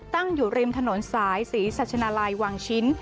ตั้งอยู่ริมถนนสายศรีสัชนาลัยวังชิ้น